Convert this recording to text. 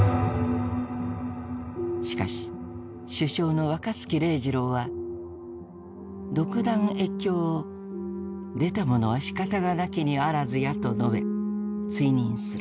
しかし首相の若槻礼次郎は独断越境を「出たものは仕方がなきにあらずや」と述べ追認する。